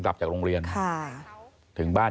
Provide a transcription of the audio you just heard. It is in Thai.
ที่มันก็มีเรื่องที่ดิน